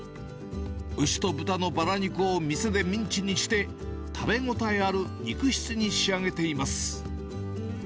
牛と豚のバラ肉を店でミンチにして、食べ応えある肉質に仕上げています。